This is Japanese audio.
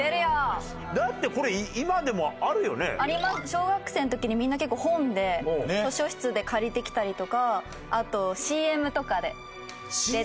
小学生の時にみんな結構本で図書室で借りてきたりとかあとＣＭとかで。